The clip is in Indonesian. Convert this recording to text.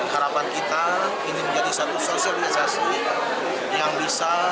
harapan kita ini menjadi satu sosialisasi yang bisa